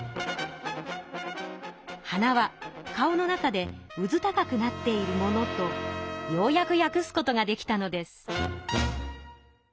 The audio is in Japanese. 「鼻は顔の中でうず高くなっているもの」とようやくやくすことができたのです。